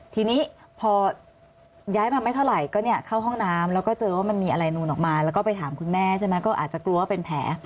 ทีนี้พอย้ายมาไม่เท่าไหร่ก็เนี่ยเข้าห้องน้ำแล้วก็เจอว่ามันมีอะไรนูนออกมาแล้วก็ไปถามคุณแม่ใช่ไหมก็อาจจะกลัวว่าเป็นแผล